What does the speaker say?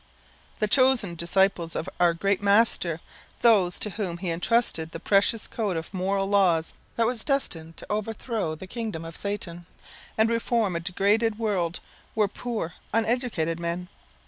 The chosen disciples of our Great Master those to whom he entrusted the precious code of moral laws that was destined to overthrow the kingdom of Satan, and reform a degraded world were poor uneducated men.